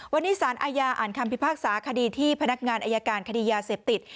วันนี้สารอาญาอ่านคำพิพากษาคดีที่พนักงานอายการคดียาเสพติด